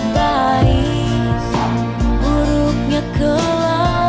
baik buruknya kelakuan